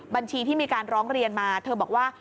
บัญชีที่มีการร้องเรียนมาเธอบอกว่า